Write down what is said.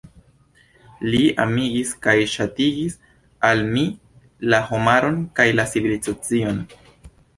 Li amigis kaj ŝatigis al mi la homaron kaj la civilizacion.